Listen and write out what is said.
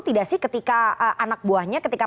tidak sih ketika anak buahnya ketika